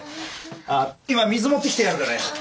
あっ今水持ってきてやるからよ。